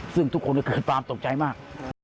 ซึ่งทุกคนก็เกิดความตกใจมาก